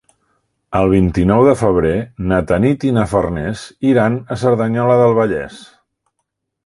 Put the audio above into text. El vint-i-nou de febrer na Tanit i na Farners iran a Cerdanyola del Vallès.